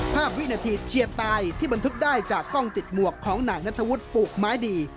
วินาทีเชียดตายที่บันทึกได้จากกล้องติดหมวกของนายนัทธวุฒิปลูกไม้ดี